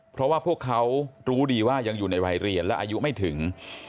เพราะว่าพวกเขารู้ดีว่ายังอยู่ในวัยเรียนและอายุไม่ถึง